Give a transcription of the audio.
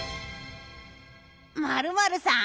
○○さん？